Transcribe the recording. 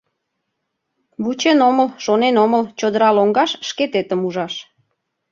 Вучен омыл, шонен омыл чодыра лоҥгаш шкететым ужаш.